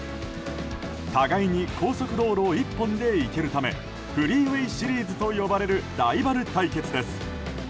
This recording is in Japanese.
互いに高速道路１本で行けるためフリーウェーシリーズと呼ばれるライバル対決です。